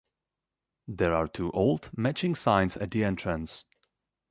There are two old, matching signs at the entrance.